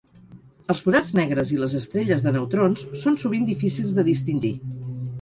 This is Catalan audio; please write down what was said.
Els forats negres i les estrelles de neutrons són sovint difícils de distingir.